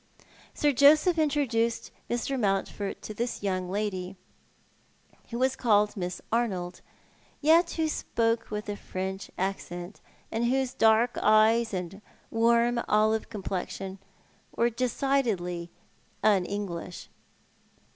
Sir Joseph introduced Mr. Mountford to this young lady, ■who was called Miss Arnold, yet who spoke with a French accent, and whose dark eyes and warm olive complexion were decidedly un English.